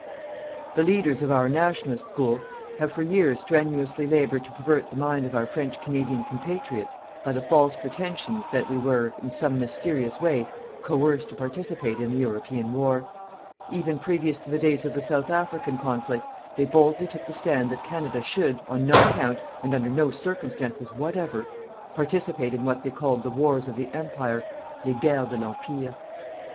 The leaders of our Nationalist School have for years strenuously laboured to pervert the mind of our French Canadian compatriots by the false pretensions that we were, in some mysterious way, coerced to participate in the European War. Even previous to the days of the South African conflict, they boldly took the stand that Canada should, on no account, and under no circumstances whatever, participate in what they called the Wars of the Empire les guerres de l'Empire.